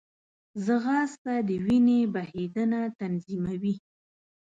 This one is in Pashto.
ځغاسته د وینې بهېدنه تنظیموي